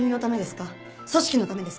組織のためですか？